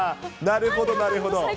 なるほど、なるほど。